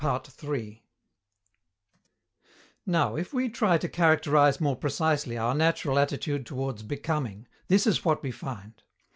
Now, if we try to characterize more precisely our natural attitude towards Becoming, this is what we find.